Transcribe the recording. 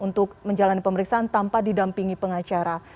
untuk menjalani pemeriksaan tanpa didampingi pengacara